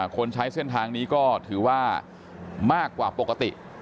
คนใช้เส้นทางนี้ก็ถือว่ามากกว่าปกติ